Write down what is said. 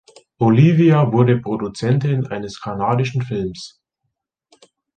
Olivia wurde Produzentin eines kanadischen Films.